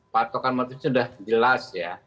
patokan patokan sudah jelas ya